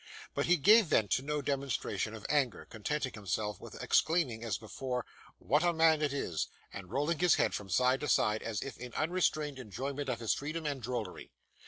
But he gave vent to no demonstration of anger, contenting himself with exclaiming as before, 'What a man it is!' and rolling his head from side to side, as if in unrestrained enjoyment of his freedom and drollery.